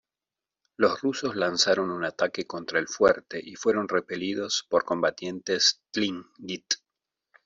Los rusos lanzaron un ataque contra el fuerte y fueron repelidos por combatientes tlingit.